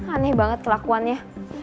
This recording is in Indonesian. aneh banget kelakuannya